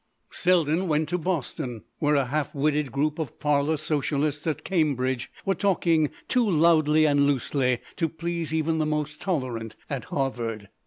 Selden went to Boston where a half witted group of parlour socialists at Cambridge were talking too loudly and loosely to please even the most tolerant at Harvard.